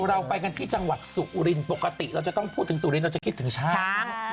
เราไปกันที่จังหวัดสุรินทร์ปกติเราจะต้องพูดถึงสุรินเราจะคิดถึงช้าง